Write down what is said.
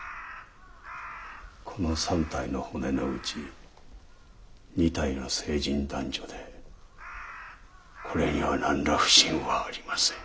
この３体の骨のうち２体が成人男女でこれには何ら不審はありません。